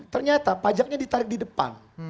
ternyata pajaknya ditarik di depan